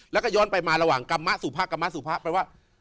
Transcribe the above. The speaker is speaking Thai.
แล้วก็ย้อนไปมาระหว่างกรรมะสูภาแปลว่า